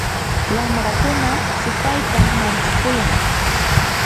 wamrakuna supaytam mantsakuyan.